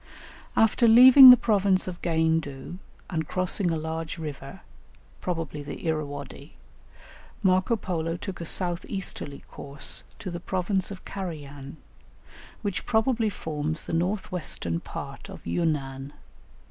After leaving the province of Gaindu, and crossing a large river, probably the Irrawaddy, Marco Polo took a south easterly course to the province of Carajan, which probably forms the north western part of Yunnan.